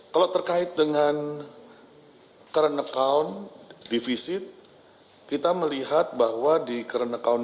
kalau terkait dengan current account defisit kita melihat bahwa di current account